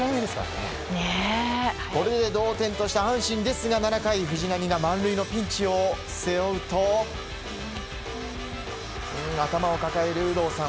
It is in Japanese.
これで同点とした阪神ですが７回、藤浪が満塁のピンチを背負うと頭を抱える有働さん。